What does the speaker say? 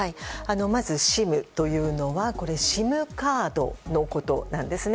まず、ＳＩＭというのはＳＩＭカードのことなんですね。